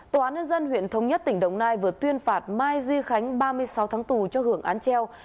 tòa án nhân dân huyện thống nhất tỉnh đồng nai vừa tuyên phạt mai duy khánh ba mươi sáu tháng tù cho hưởng án treo